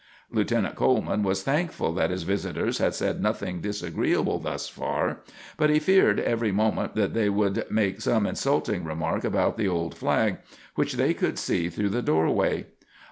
Lieutenant Coleman was thankful that his visitors had said nothing disagreeable thus far, but he feared every moment that they would make some insulting remark about the old flag, which they could see through the door way.